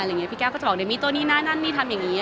ที่พี่เกล้าก็จะบอกโดยไม่แต่นี่นั่นนั่นนี่ทำอย่างนี้